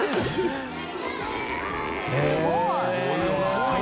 すごい！